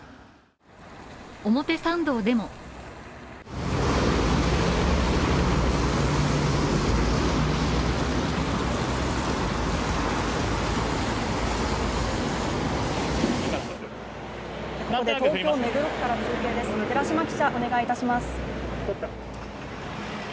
表参道でも東京・目黒区から中継です。